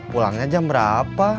pulangnya jam berapa